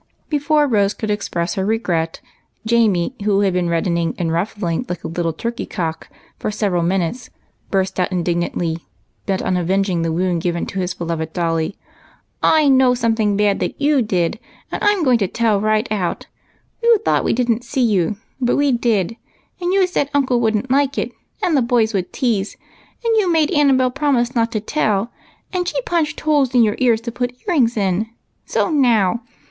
Before Rose could express her regret, Jamie, who had been reddening and ruffling like a little turkey cock for several minutes, burst out indignantly, bent on avenging the wound given to his beloved dolly. "X know something bad that you did, and I'm going to tell right out. You thought w^e didn't see you, but we did, and you said uncle would n't like it, and the boys would tease, and you made Annabel promise not to tell, and she punched holes in your ears to put ear rings in. So now